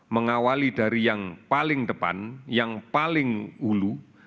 mengawali dari yang paling depan yang paling ulu